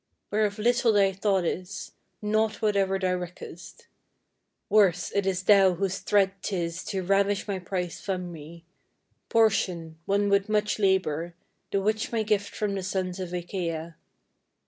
Whereof little thy thought is, nought whatever thou reckest. Worse, it is thou whose threat 'tis to ravish my prize from me, portion Won with much labour, the which my gift from the sons of Achaia.